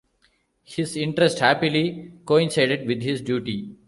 His interest happily coincided with his duty.